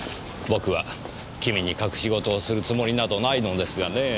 僕は君に隠し事をするつもりなどないのですがねえ。